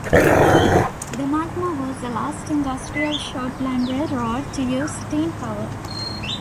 The Magma was the last industrial short line railroad to use steam power.